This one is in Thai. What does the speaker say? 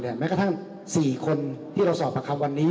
แม้งกระทั่งสี่คนที่เราสอบป่ากล้ามวันนี้